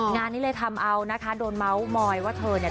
งานนี้เลยทำเอานะคะโดนเมาส์มอยว่าเธอเนี่ย